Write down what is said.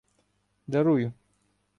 Дарую.